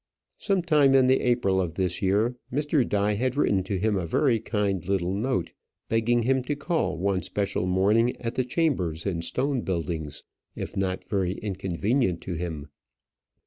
Some time in the April of this year, Mr. Die had written to him a very kind little note, begging him to call one special morning at the chambers in Stone Buildings, if not very inconvenient to him.